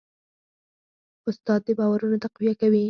استاد د باورونو تقویه کوي.